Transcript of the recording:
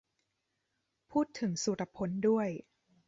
พูดถึงสุรพลด้วย